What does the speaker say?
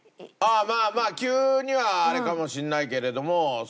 まあまあ急にはあれかもしれないけれども。